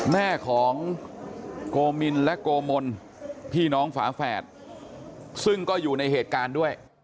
แม่ของโกมินและโกมลพี่น้องฝาแฝดซึ่งก็อยู่ในเหตุการณ์ด้วย